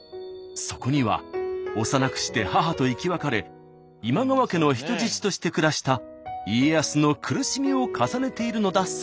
そこには幼くして母と生き別れ今川家の人質として暮らした家康の苦しみを重ねているのだそう。